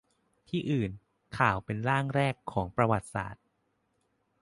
ที่อื่น : ข่าวเป็นร่างแรกของประวัติศาสตร์